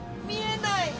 見えない。